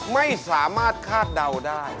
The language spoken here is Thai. ไม่สามารถคาดเดาได้